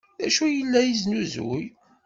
D acu ay la yesnuzuy?